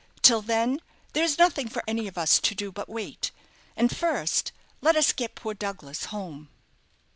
Till then, there is nothing for any of us to do but to wait. And first, let us get poor Douglas home."